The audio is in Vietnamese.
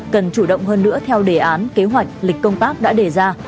cần chủ động hơn nữa theo đề án kế hoạch lịch công tác đã đề ra